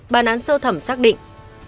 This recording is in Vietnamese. bàn án sơ thẩm xác định